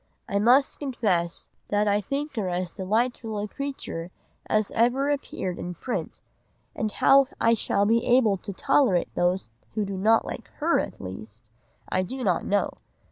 I must confess that I think her as delightful a creature as ever appeared in print, and how I shall be able to tolerate those who do not like her at least, I do not know.